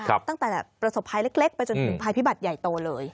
ตั้งแต่ประสบภัยเล็กไปจนถึงภัยพิบัติใหญ่โตเลย